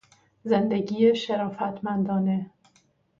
زندگی شرافت مندانه